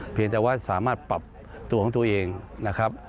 เพียงแต่ว่าสามารถปรับตัวของตัวเองนะครับ